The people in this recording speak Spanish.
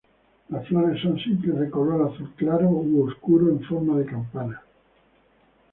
Las flores son simples de color azul claro u oscuro en forma de campana.